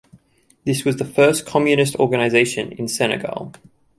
This was the first communist organisation in Senegal.